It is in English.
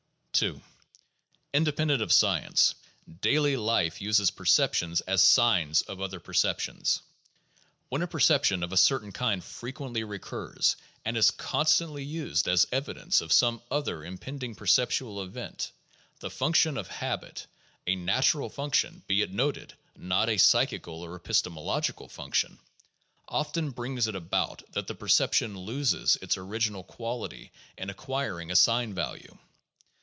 (2) Independent of science, daily life uses perceptions as signs of other perceptions. When a perception of a certain kind frequently recurs and is constantly used as evidence of some other impending perceptual event, the function of habit (a natural function, be it noted, not a psychical or epistemological function) often brings it about that the perception loses its original quality in acquiring a sign value.